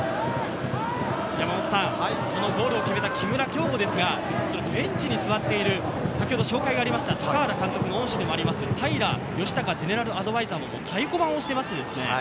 ゴールを決めた木村匡吾ですが、ベンチに座っている、紹介がありました高原監督の恩師・平清孝ゼネラルアドバイザーも太鼓判を押しています。